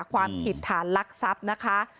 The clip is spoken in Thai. ความผิดฐานลักษับนะคะ